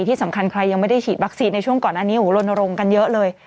ที่สำคัญใครยังไม่ได้ฉีดวัคซีนในช่วงก่อนอันนี้ลนรงค์กันเยอะเลย